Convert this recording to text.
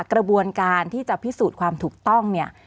กระบวนการที่จะพิสูจน์ความถูกต้องเนี่ย